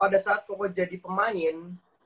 pada saat gue jadi pemain